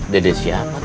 dede atau mak eros